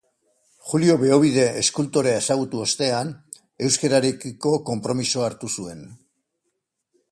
Julio Beobide eskultorea ezagutu ostean, euskararekiko konpromisoa hartu zuen.